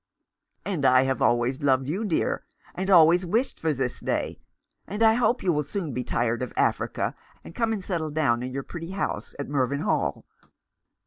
" And I have always loved you, dear ; and always wished for this day. And I hope you will soon be tired of Africa, and come and settle down in your pretty house at Mervynhall."